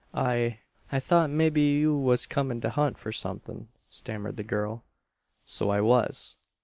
"I, I thought mebbe you was comin' to hunt for something," stammered the girl. "So I was.